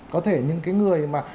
có thể những cái người mà